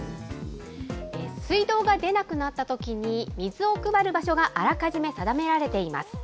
水道が出なくなったときに、水を配る場所があらかじめ定められています。